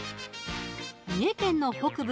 三重県の北部